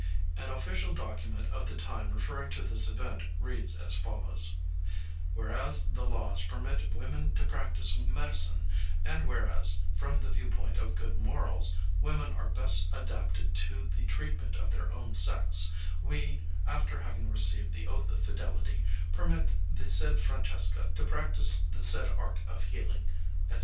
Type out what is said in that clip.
An official document of the time referring to this event reads as follows: "Whereas the laws permit women to practice medicine, and whereas, from the viewpoint of good morals, women are best adapted to the treatment of their own sex, we, after having received the oath of fidelity, permit the said Francesca to practice the said art of healing," etc.